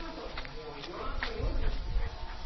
もう夜中の４時やもんこれ今。